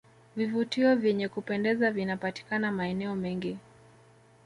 vivutio vyenye kupendeza vinapatikana maeneo mengi